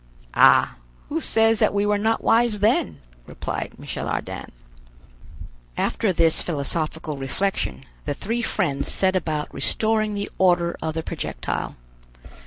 "Ah, who says that we were not wise then?" replied Michel Ardan. After this philosophical reflection, the three friends set about restoring the order of the projectile.